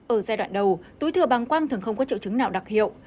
ở giai đoạn đầu túi thừa bàng quang thường không có triệu chứng nào đặc hiệu